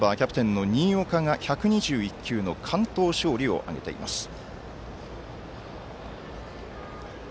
そして、エースナンバーキャプテンの新岡が１２１球の完投勝利を挙げています。